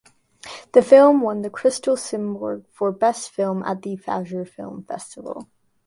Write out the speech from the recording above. The film won the Crystal Simorgh for best film at the Fajr Film Festival.